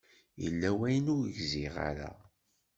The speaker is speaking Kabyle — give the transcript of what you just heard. Yella wayen ur gziɣ ara.